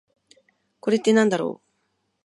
これってなんだろう？